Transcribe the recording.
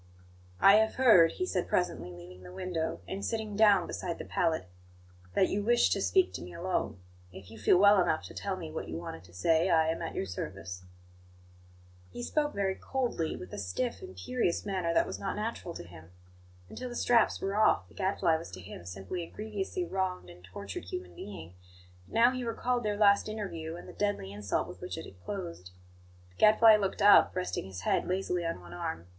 "I have heard," he said presently, leaving the window, and sitting down beside the pallet, "that you wish to speak to me alone. If you feel well enough to tell me what you wanted to say, I am at your service." He spoke very coldly, with a stiff, imperious manner that was not natural to him. Until the straps were off, the Gadfly was to him simply a grievously wronged and tortured human being; but now he recalled their last interview, and the deadly insult with which it had closed. The Gadfly looked up, resting his head lazily on one arm.